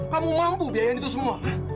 kamu mampu biayain itu semua